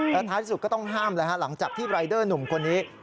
แต่ท้ายที่สุดก็ต้องห้ามแล้วฮะหลังจากที่รายเดอร์หนุ่มคนนี้